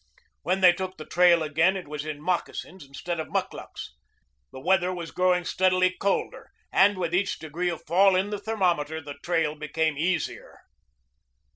When they took the trail again it was in moccasins instead of mukluks. The weather was growing steadily colder and with each degree of fall in the thermometer the trail became easier.